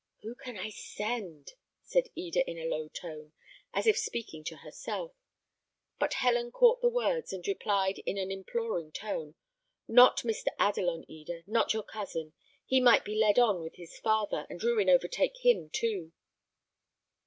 "Who can I send?" said Eda, in a low tone, as if speaking to herself; but Helen caught the words, and replied, in an imploring tone, "Not Mr. Adelon, Eda not your cousin. He might be led on with his father, and ruin overtake him too."